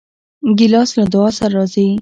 ګیلاس له دعا سره راځي.